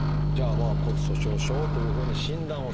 まあ「骨粗しょう症」というふうに診断をされました。